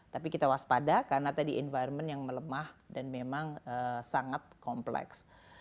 tapi kita waspada karena tadi environment yang melemah dan memang sangat kompleks